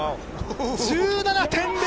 １７．００。